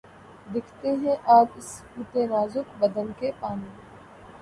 دکھتے ہیں آج اس بتِ نازک بدن کے پانو